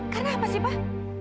karena apa sih pak